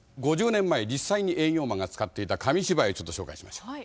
５０年前実際に営業マンが使っていた紙芝居ちょっと紹介しましょう。